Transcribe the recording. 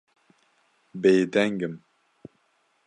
Bêdeng im.